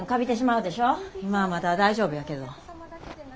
今はまだ大丈夫やけど。